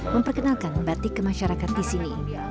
memperkenalkan batik kemasyarakat di sini